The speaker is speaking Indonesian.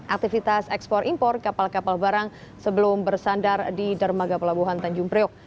aktivitas ekspor impor kapal kapal barang sebelum bersandar di dermaga pelabuhan tanjung priok